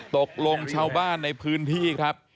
ตกลงชาวบ้านในพื้นที่ครับ